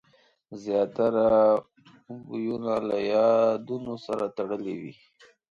زیاتره بویونه له یادونو سره تړلي وي.